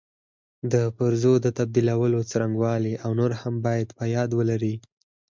د پرزو د تبدیلولو څرنګوالي او نور هم باید په یاد ولري.